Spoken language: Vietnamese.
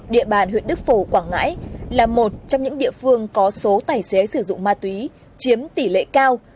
địa bàn huyện đức phổ quảng ngãi là một trong những địa phương có số tài xế sử dụng ma túy chiếm tỷ lệ cao